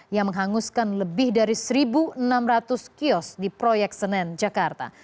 yang menghanguskan lebih dari satu enam ratus kios di proyek senen jakarta